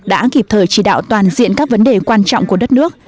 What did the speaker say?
đã kịp thời chỉ đạo toàn diện các vấn đề quan trọng của đất nước